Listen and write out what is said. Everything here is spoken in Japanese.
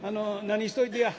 何しといてや。